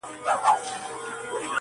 هره ورځ به يې د شپې لور ته تلوار وو.!